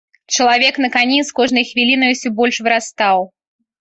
Чалавек на кані з кожнай хвілінай усё больш вырастаў.